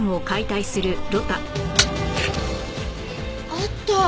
あった！